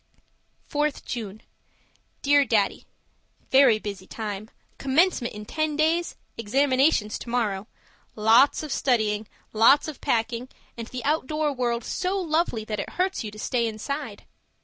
4th June Dear Daddy, Very busy time commencement in ten days, examinations tomorrow; lots of studying, lots of packing, and the outdoor world so lovely that it hurts you to stay inside.